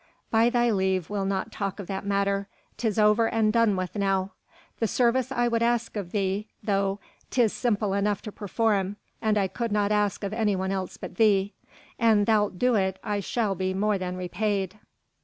"By thy leave we'll not talk of that matter. 'Tis over and done with now. The service I would ask of thee, though 'tis simple enough to perform, I could not ask of anyone else but thee. An thou'lt do it, I shall be more than repaid."